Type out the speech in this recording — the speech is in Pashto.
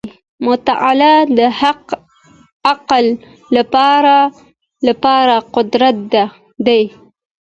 • مطالعه د عقل لپاره قوت دی.